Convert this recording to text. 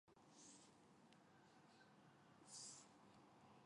由大野智主演。